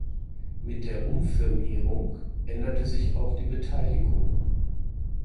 Mit der Umfirmierung änderte sich auch die Beteiligung.